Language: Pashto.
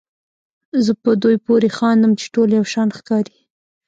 زه په دوی پورې خاندم چې ټول یو شان ښکاري.